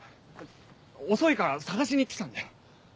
遅いから探しに来たんだよ。